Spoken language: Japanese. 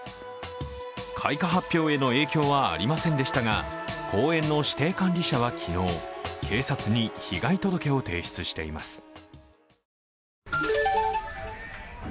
開花発表への影響はありませんでしたが、公園の指定管理者は昨日、警察に被害届を提出しています。